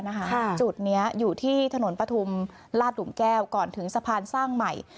จุดนี้อยู่ที่ถนนปฐุมลาดหลุมแก้วก่อนถึงสะพานสร้างใหม่